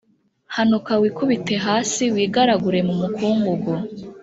hanuka wikubite hasi, wigaragure mu mukungugu,